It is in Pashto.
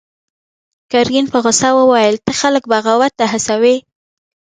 ګرګين په غوسه وويل: ته خلک بغاوت ته هڅوې!